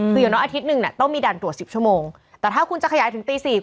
คืออย่างน้อยอาทิตย์หนึ่งเนี่ยต้องมีด่านตรวจ๑๐ชั่วโมงแต่ถ้าคุณจะขยายถึงตีสี่